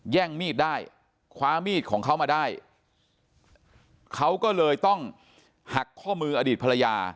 แย่งมีดได้คว้ามีดของเขามาได้เขาก็เลยต้องหักข้อมืออดีตภรรยา